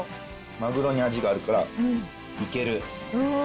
マグロに味があるから、いける。